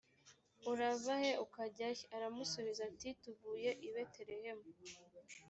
urava he ukajya he? aramusubiza ati tuvuye i betelehemu